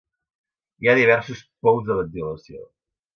Hi ha diversos pous de ventilació.